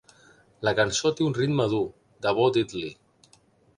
La cançó té un ritme dur de Bo Diddley.